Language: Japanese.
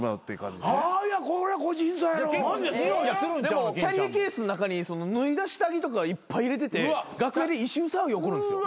でもキャリーケースの中に脱いだ下着とかいっぱい入れてて楽屋で異臭騒ぎ起こるんですよ。